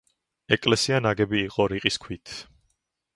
ეკლესია ნაგები იყო რიყის ქვით.